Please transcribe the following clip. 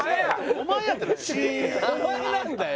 お前なんだよ。